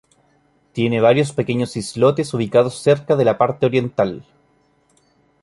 Tiene varios pequeños islotes ubicados cerca de la parte oriental.